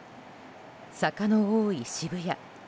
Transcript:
坂の多い渋谷。